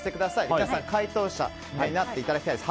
皆さん、解答者になっていただきたいです。